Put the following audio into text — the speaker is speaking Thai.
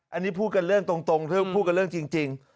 อันนี้พูดกันเรื่องตรงถ้าพูดกันเรื่องจริง